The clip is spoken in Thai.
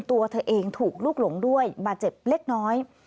ตัวเธอเองถูกลูกหลงด้วยบาดเจ็บเล็กน้อย